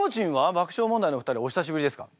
爆笑問題のお二人お久しぶりですか？